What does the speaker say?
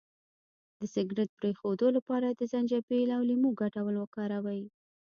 د سګرټ د پرېښودو لپاره د زنجبیل او لیمو ګډول وکاروئ